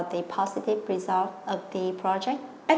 không chỉ để giúp cơ hội truyền thông